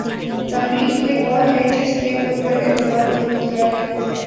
تاریخ میں کون ہے جس نے ان پر اعتماد نہیں کیا ہے۔